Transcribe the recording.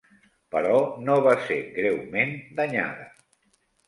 Però no va ser greument danyada.